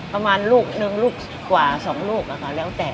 ประมาณลูกนึงลูกกว่า๒ลูกค่ะแล้วแต่